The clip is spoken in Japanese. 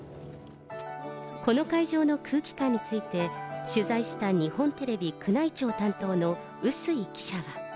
この会場の空気感について、取材した日本テレビ宮内庁担当の笛吹記者は。